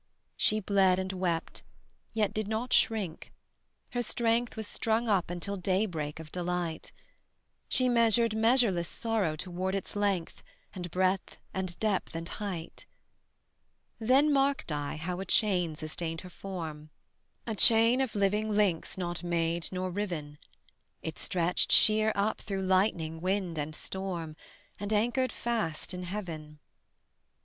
She bled and wept, yet did not shrink; her strength Was strung up until daybreak of delight: She measured measureless sorrow toward its length, And breadth, and depth, and height. Then marked I how a chain sustained her form, A chain of living links not made nor riven: It stretched sheer up through lightning, wind, and storm, And anchored fast in heaven.